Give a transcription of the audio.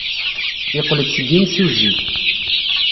Yeqqel-d seg yimsujji.